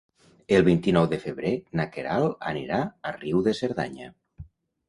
El vint-i-nou de febrer na Queralt anirà a Riu de Cerdanya.